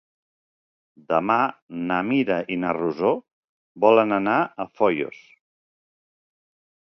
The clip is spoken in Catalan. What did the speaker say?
Demà na Mira i na Rosó volen anar a Foios.